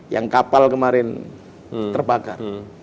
yang kapal kemarin terbakar